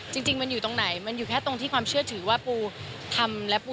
จริงมันอยู่ตรงไหนมันอยู่แค่ตรงที่ความเชื่อถือว่าปูทำและปู